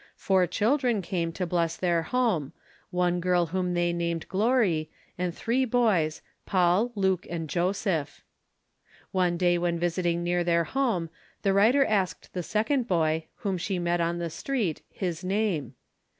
Four children came to bless their home; one girl whom they named Glory, and three boys, Paul, Luke and Joseph. One day when visiting near their home, the writer asked the second boy, whom she met on the street, his name.